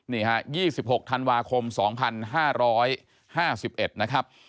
นี่ฮะ๒๖ธันวาคม๒๕๕๑นะครับ